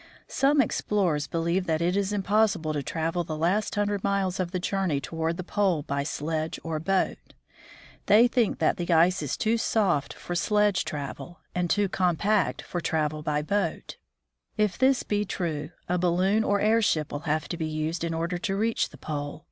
Some explorers believe that it is impossible to travel the last hundred miles of the journey toward the pole by sledge or boat. They think that the ice is too soft for sledge 128 THE FROZEN NORTH travel, and too compact for travel by boat. If this be true, a balloon or airship will have to be used in order to reach the pole.